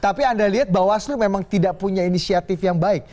tapi anda lihat bawaslu memang tidak punya inisiatif yang baik